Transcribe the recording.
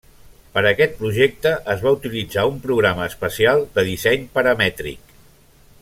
Para aquest projecte es va utilitzar un programa especial de disseny paramètric.